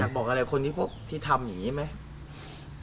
อยากบอกอะไรคนที่ทำอย่างนี้ไหม